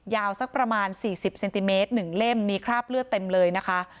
ยาวสักประมาณสี่สิบเซนติเมตรหนึ่งเล่มมีคราบเลือดเต็มเลยนะคะ